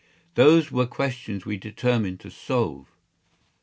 Those were questions we determined to solve.